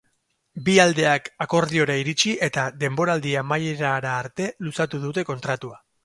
Bi aldeak akordiora iritsi, eta denboraldi amaierara arte luzatu dute kontratua.